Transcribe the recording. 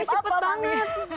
tapi cepet banget